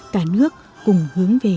cả nước cùng hướng về